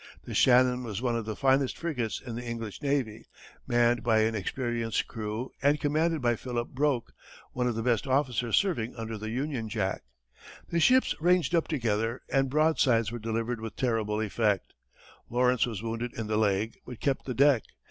The Shannon was one of the finest frigates in the English navy, manned by an experienced crew, and commanded by Philip Broke, one of the best officers serving under the Union Jack. The ships ranged up together and broadsides were delivered with terrible effect. Lawrence was wounded in the leg, but kept the deck.